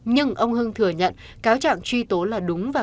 nhưng ông hưng thừa nhận cáo trạng truy tố là đúng và